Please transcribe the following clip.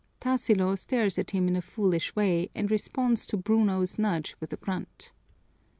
Tarsilo stares at him in a foolish way and responds to Bruno's nudge with a grunt.